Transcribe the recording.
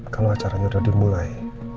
kalau acaranya udah dimulai